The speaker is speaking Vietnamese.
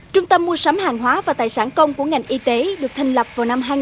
trung tâm mua sắm hàng hóa và tài sản công của ngành y tế được thành phố hồ chí minh